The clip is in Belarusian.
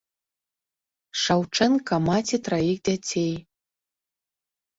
Шаўчэнка маці траіх дзяцей.